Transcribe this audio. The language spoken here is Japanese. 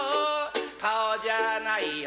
顔じゃないよ